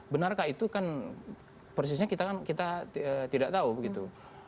benarkah itu kan persisnya kita tidak tahu begitu